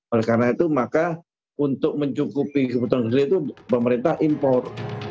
oleh karena itu maka untuk mencukupi kebutuhan gede itu pemerintah impor